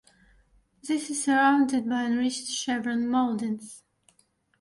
This is surrounded by enriched chevron mouldings.